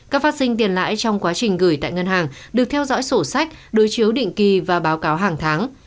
các phát sinh tiền lãi trong quá trình gửi tại ngân hàng được theo dõi sổ sách đối chiếu định kỳ và báo cáo hàng tháng